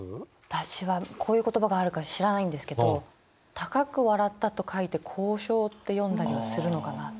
私はこういう言葉があるか知らないんですけど「高く笑った」と書いて「こうしょう」って読んだりはするのかなって。